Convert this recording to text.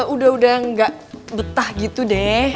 udah udah gak betah gitu deh